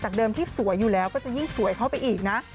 เดิมที่สวยอยู่แล้วก็จะยิ่งสวยเข้าไปอีกนะ